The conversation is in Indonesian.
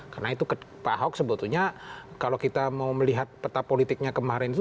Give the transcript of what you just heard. karena itu pak ahok sebetulnya kalau kita mau melihat peta politiknya kemarin itu